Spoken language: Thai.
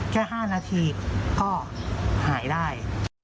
แค่๕นาทีก็หายได้